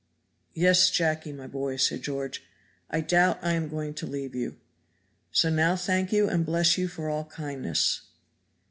"Yes, Jacky, my boy," said George, "I doubt I am going to leave you. So now thank you and bless you for all kindness.